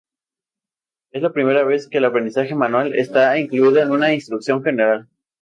Es la primera vez que el aprendizaje manual está incluido en una instrucción general.